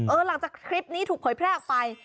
หลังจากคลิปนี้ถูกเผยแพร่ออกไป